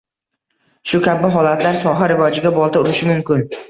Shu kabi holatlar soha rivojiga bolta urishi mumkin.